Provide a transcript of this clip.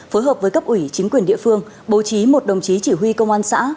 phối hợp với cấp ủy chính quyền địa phương bố trí một đồng chí chỉ huy công an xã